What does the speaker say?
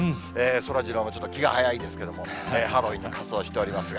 そらジローもちょっと気が早いですけれども、ハロウィーンの仮装をしておりますが。